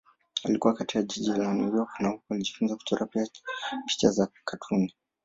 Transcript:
Alikua katika jiji la New York na huko alijifunza kuchora picha za katuni.